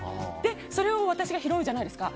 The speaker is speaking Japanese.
それを私が拾うじゃないですか。